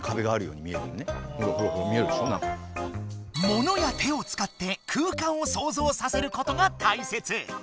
モノや手を使って空間を想像させることが大切！